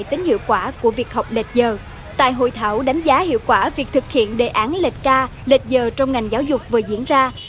tại hội thảo đánh giá hiệu quả việc thực hiện đề án lệch ca lệch giờ trong ngành giáo dục vừa diễn ra